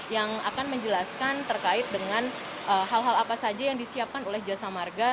yang akan menjelaskan terkait dengan hal hal apa saja yang disiapkan oleh jasa marga